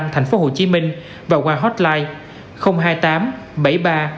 thành phố hồ chí minh và qua hotline hai mươi tám bảy mươi ba sáu mươi một sáu mươi một